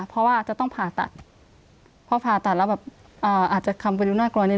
เพราะว่าจะต้องผ่าตัด